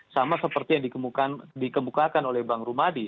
sama seperti yang dikembukakan oleh bang romadi